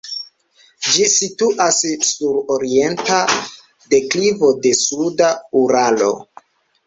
Ĝi situas sur orienta deklivo de suda Uralo.